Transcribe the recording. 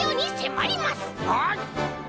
はい！